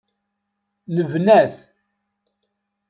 Nebna-t.